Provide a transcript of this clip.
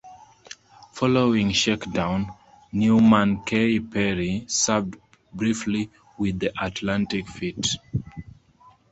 Following shakedown, "Newman K. Perry" served briefly with the Atlantic Fleet.